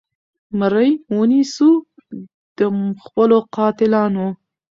مرۍ ونیسو د خپلو قاتلانو